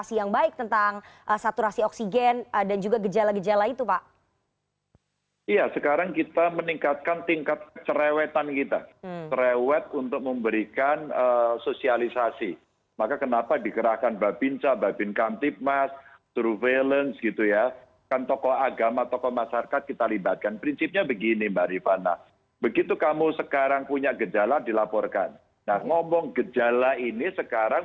selamat sore mbak rifana